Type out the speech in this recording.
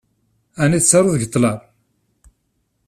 Ɛni tettaruḍ deg ṭṭlam?